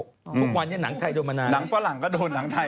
ทุกวันนี้หนังไทยโดนมานานแล้วถึงหนังฝรั่งก็โดนหลงยิ่งกว่านั้น